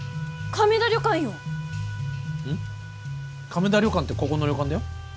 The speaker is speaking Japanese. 亀田旅館ってここの旅館だよ。